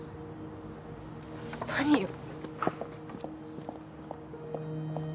何よ。